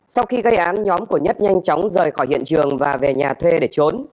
sau khi gây án nhóm của nhất nhanh chóng rời khỏi hiện trường và về nhà thuê để trốn